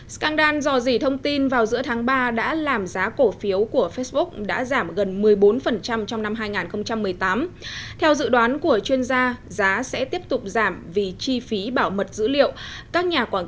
scandan dò dỉ thông tin vào giữa tháng ba đã làm giá cổ phiếu của facebook đã giảm gần một